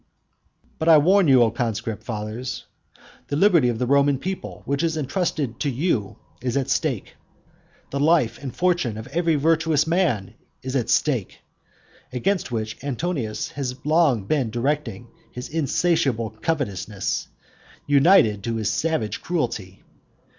But I warn you, O conscript fathers, the liberty of the Roman people, which is entrusted to you, is at stake. The life and fortune of every virtuous man is at stake, against which Antonius has long been directing his insatiable covetousness, united to his savage cruelty.